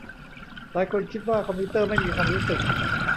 หลายคนคิดว่าคอมพิวเตอร์ไม่มีความรู้สึก